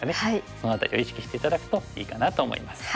その辺りを意識して頂くといいかなと思います。